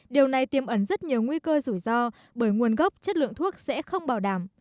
điều này tiêm ẩn rất nhiều nguy cơ rủi ro bởi nguồn gốc chất lượng thuốc sẽ không bảo đảm